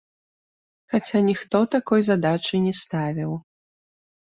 Хаця ніхто такой задачы не ставіў.